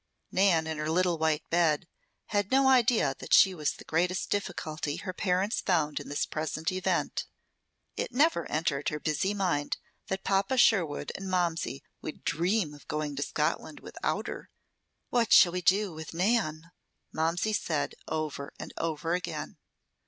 Nan, in her little white bed, had no idea that she was the greatest difficulty her parents found in this present event. It never entered her busy mind that Papa Sherwood and Momsey would dream of going to Scotland without her. "What shall we do with Nan?" Momsey said over and over again.